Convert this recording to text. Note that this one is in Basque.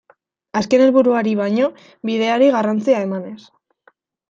Azken helburuari baino bideari garrantzia emanez.